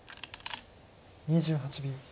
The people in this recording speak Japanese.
２８秒。